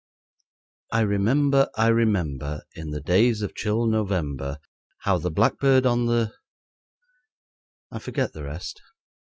"I remember, I remember, In the days of chill November, How the blackbird on the " I forget the rest.